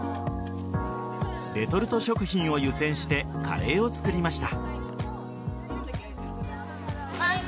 レトルト食品を湯煎してカレーを作りました。